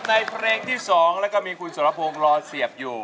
ในเพลงที่๒แล้วก็มีคุณสรพงศ์รอเสียบอยู่